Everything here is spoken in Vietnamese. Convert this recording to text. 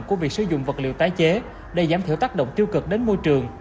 của việc sử dụng vật liệu tái chế để giảm thiểu tác động tiêu cực đến môi trường